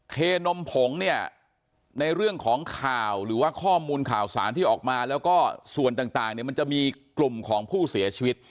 เคนมผงเนี่ยในเรื่องของข่าวหรือว่าข้อมูลข่าวสารที่ออกมาแล้วก็ส่วนต่างเนี่ยมันจะมีกลุ่มของผู้เสียชีวิต